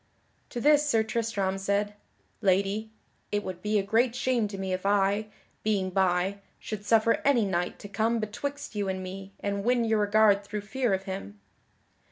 To this Sir Tristram said: "Lady, it would be a great shame to me if I, being by, should suffer any knight to come betwixt you and me and win your regard through fear of him."